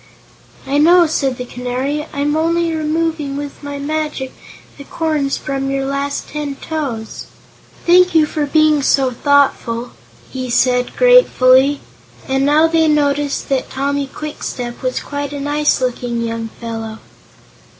"I know," said the Canary. "I'm only removing with my magic the corns from your last ten toes." "Thank you for being so thoughtful," he said gratefully, and now they noticed that Tommy Kwikstep was quite a nice looking young fellow.